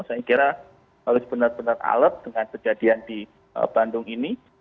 saya kira harus benar benar alert dengan kejadian di bandung ini